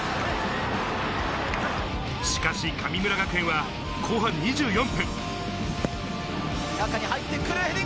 しかし神村学園は後半２４分。